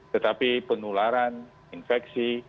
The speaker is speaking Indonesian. tetapi penularan infeksi